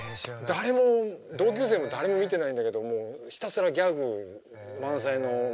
誰も同級生も誰も見てないんだけどもうひたすらギャグ満載のアニメが好きで。